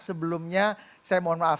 sebelumnya saya mohon maaf